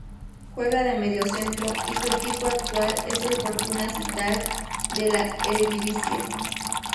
Juega de mediocentro y su equipo actual es el Fortuna Sittard de la Eredivisie.